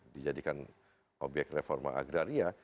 dijadikan obyek reforma agraria